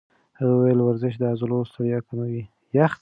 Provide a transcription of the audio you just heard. هغې وویل ورزش د عضلو ستړیا کموي.